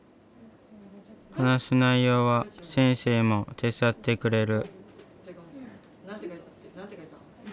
話す内容は先生も手伝ってくれる。